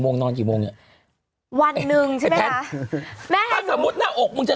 งนอนกี่โมงเนี้ยวันหนึ่งใช่ไหมคะแม่ถ้าสมมุติหน้าอกมึงจะ